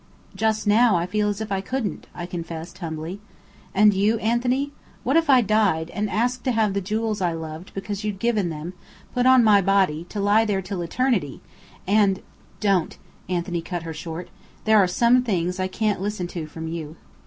"Just now, I feel as if I couldn't," I confessed humbly. "And you, Anthony? What if I died, and asked to have the jewels I loved because you'd given them, put on my body to lie there till eternity, and " "Don't," Anthony cut her short. "There are some things I can't listen to from you."